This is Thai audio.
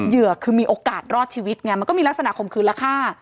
เหยื่อคือมีโอกาสรอดชีวิตไงมันก็มีลักษณะข่มขืนและฆ่า